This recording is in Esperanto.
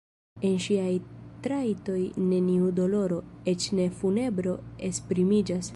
En ŝiaj trajtoj neniu doloro, eĉ ne funebro esprimiĝas.